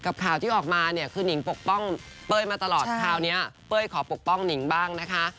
ข่าวที่ออกมาเนี่ยคือนิงปกป้องเป้ยมาตลอดคราวนี้เป้ยขอปกป้องหนิงบ้างนะคะ